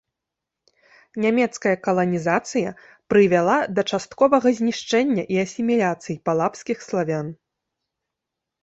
Нямецкая каланізацыя прывяла да частковага знішчэння і асіміляцыі палабскіх славян.